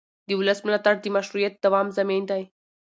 د ولس ملاتړ د مشروعیت دوام ضامن دی